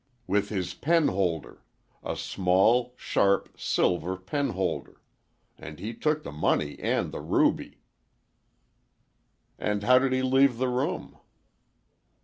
"With his penholder. A smooth, sharp silver penholder. And he took the money and the ruby." "And how did he leave the room?"